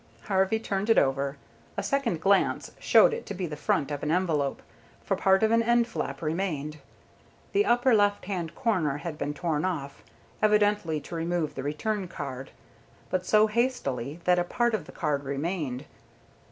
Harvey turned it over. A second glance showed it to be the front of an envelope, for part of an end flap remained. The upper left hand corner had been torn off, evidently to remove the return card, but so hastily that a part of the card remained.